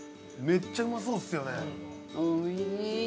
めっちゃうまそうですよね。